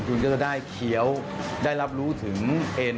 คุณก็จะได้เคี้ยวได้รับรู้ถึงเอ็น